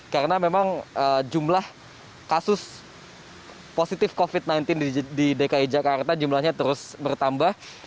karena memang jumlah kasus positif covid sembilan belas di dki jakarta jumlahnya terus bertambah